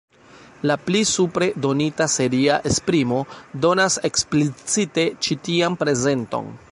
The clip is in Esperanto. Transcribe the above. La pli supre donita seria esprimo donas eksplicite ĉi tian prezenton.